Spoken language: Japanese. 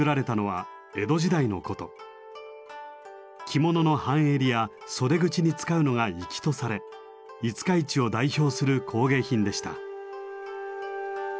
着物の半襟や袖口に使うのが粋とされ五日市を代表する工芸品でした。